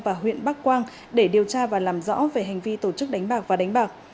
và huyện bắc quang để điều tra và làm rõ về hành vi tổ chức đánh bạc và đánh bạc